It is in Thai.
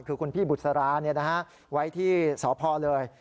คือคุณพี่บุษราไว้ที่สพเลย